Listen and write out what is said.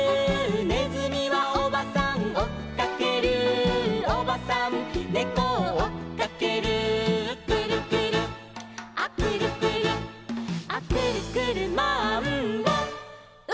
「ねずみはおばさんおっかける」「おばさんねこをおっかける」「くるくるアくるくるア」「くるくるマンボウ！」